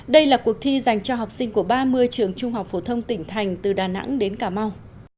đây là cuộc thi dành cho học sinh của ba mươi trường trung học phổ thông tỉnh thành từ đà nẵng đến cà mau